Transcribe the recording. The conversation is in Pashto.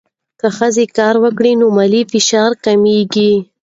که ښځه کار وکړي، نو مالي فشار کمېږي.